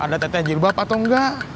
ada tete jilbab atau enggak